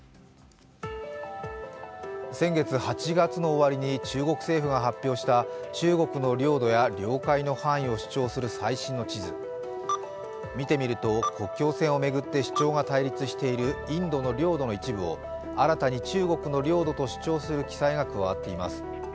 先月８月の終わりに中国政府が発表した中国の領土や領海の範囲を主張する最新の地図見てみると国境線を巡って主張が対立しているインドの領土の一部を新たに中国の領土と主張する記載が加わっています。